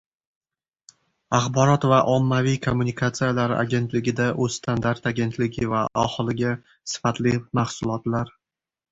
Axborot va ommaviy kommunikatsiyalar agentligida “O‘zstandart” agentligi va aholiga sifatli mahsulotlar